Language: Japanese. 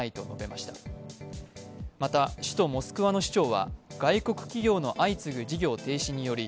また、首都モスクワの市長は外国企業の相次ぐ事業停止により、